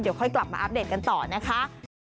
เดี๋ยวค่อยกลับมาอัปเดตกันต่อนะคะ